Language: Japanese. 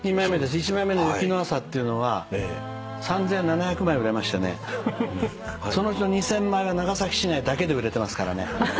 １枚目の『雪の朝』っていうのは３，７００枚売れましてねそのうちの２，０００枚は長崎市内だけで売れてますからね。